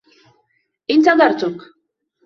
إنتظرتك.